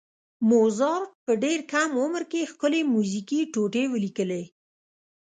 موزارټ په ډېر کم عمر کې ښکلې میوزیکي ټوټې ولیکلې.